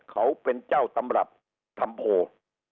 เขาเป็นเจ้าตำรับทำโพล